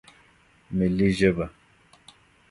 ملي ژبه